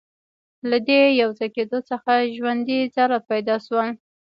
له دې یوځای کېدو څخه ژوندۍ ذرات پیدا شول.